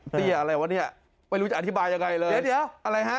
อะไรวะเนี่ยไม่รู้จะอธิบายยังไงเลยเดี๋ยวเดี๋ยวอะไรฮะ